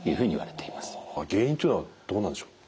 原因というのはどうなんでしょう？